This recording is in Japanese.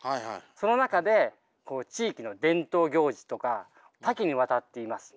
その中で地域の伝統行事とか多岐にわたっています。